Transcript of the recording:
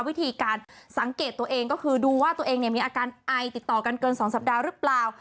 วิธีการสังเกตตัวเองก็คือดูว่าตัวเองมีอาการไอติดต่อกันเกิน๒สัปดาห์หรือเปล่า